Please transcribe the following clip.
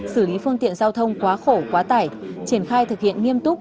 xử lý phương tiện giao thông quá khổ quá tải triển khai thực hiện nghiêm túc